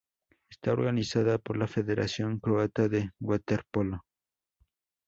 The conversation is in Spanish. Está organizada por la Federación Croata de Waterpolo.